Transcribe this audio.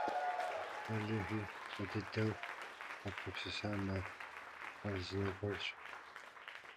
Уэлэхьи фӏы дыдэу къэбгупсысам ар, хъарзынэ гуэрщ.